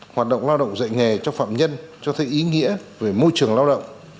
hoạt động lao động dạy nghề cho phạm nhân cho thấy ý nghĩa về môi trường lao động